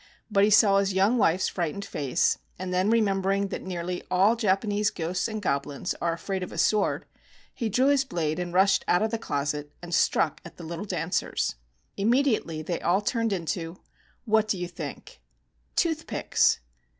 But he saw his young wife's frightened face; and then remembering that nearly all Japanese ghosts and goblins are afraid of a sword, he drew his blade, and rushed out of the closet, and struck at the little dancers. Immediately they all turned into — what do you think ? Toothpicks!